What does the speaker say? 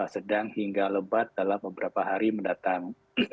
sedang hingga lebat dalam beberapa hari mendatang